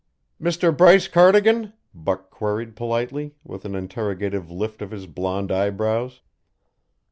"Mr. Bryce Cardigan?" Buck queried politely, with an interrogative lift of his blond eyebrows.